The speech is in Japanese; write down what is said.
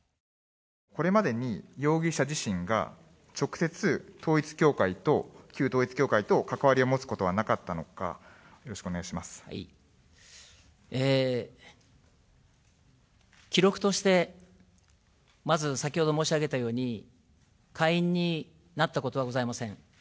これまでに容疑者自身が、直接統一教会と、旧統一教会と関わりを持つことはなかったのか、よろしくお願いし記録として、まず先ほど申し上げたように、会員になったことはございません。